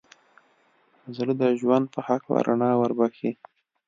زړه د ژوند په هکله رڼا وربښي.